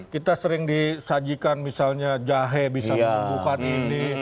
kita sering disajikan misalnya jahe bisa menumbuhkan ini